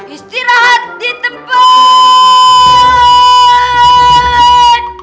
istirahat di tempat